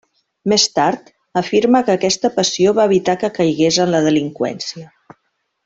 Més tard, afirma que aquesta passió va evitar que caigués en la delinqüència.